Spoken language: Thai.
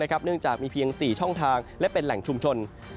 เนื่องจากมีเพียง๔ช่องทางและเป็นแหล่งชุมชน